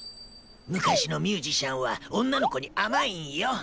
昔のミュージシャンは女の子に甘いんよ。